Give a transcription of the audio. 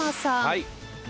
はい。